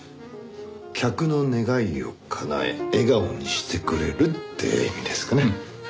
客の願いを叶え笑顔にしてくれるって意味ですかね？